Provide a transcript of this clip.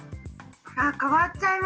あ変わっちゃいました。